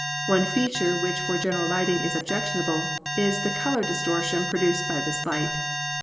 One feature, which for gen eral lighting is objectionable, is the color distortion pro duced by this light.